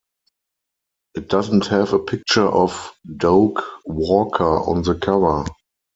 It doesn't have a picture of Doak Walker on the cover.